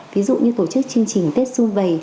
ví dụ như tổ chức chương trình tết xuân về